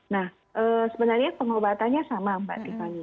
nah sebenarnya pengobatannya sama mbak tiffany